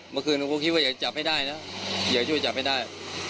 เมื่อคืนหนูก็คิดว่าอยากจับให้ได้นะอยากช่วยจับให้ได้